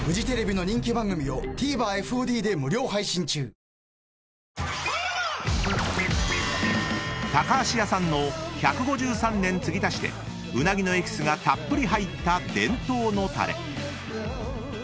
あなたも［橋屋さんの１５３年注ぎ足してうなぎのエキスがたっぷり入った伝統のタレ］